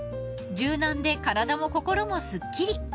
［柔軟で体も心もすっきり！］